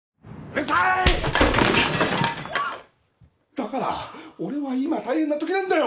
だから俺は今大変なときなんだよ！